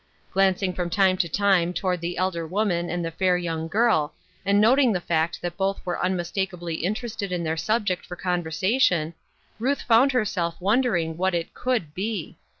Glancing from time to time toward the elder woman and the fair young girl, and noting the fact that both were mimis takably interested in their subject for conversa tion, Ruth found herself wondering what it could A Society Cross. 139 be.